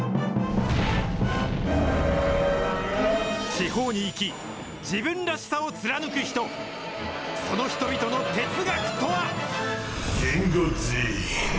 地方に生き、自分らしさを貫く人、その人々の哲学とは。